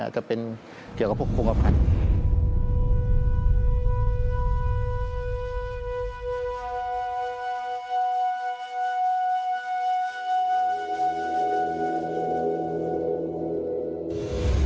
ก็เป็นเกี่ยวกับพวกโคมพันธุ์